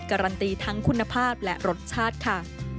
การันตีทั้งคุณภาพและรสชาติค่ะ